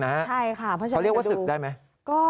เขาเรียกว่าศึกได้ไหม